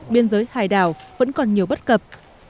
biên giới hải đảo vẫn còn nhiều bất cập